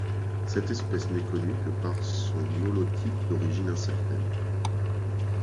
Cette espèce n'est connue que par son holotype d'origine incertaine.